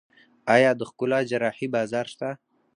آیا د ښکلا جراحي بازار شته؟